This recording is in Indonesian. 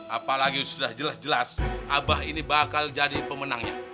apalagi sudah jelas jelas abah ini bakal jadi pemenangnya